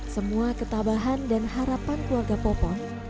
semua ketabahan dan harapan keluarga popon